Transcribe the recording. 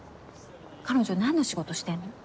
彼女何の仕事してんの？